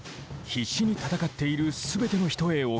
必死に戦っている全ての人へ贈る歌。